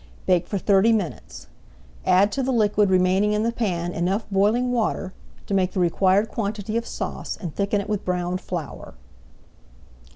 Bake for thirty minutes. Add to the liquid remaining in the pan enough boiling water to make the required quantity of sauce, and thicken it with browned flour.